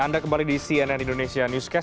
anda kembali di cnn indonesia newscast